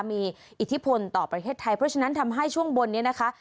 มีอิทธิพลต่อประเทศไทยเพราะฉะนั้นทำให้ช่วงบนนี้นะคะ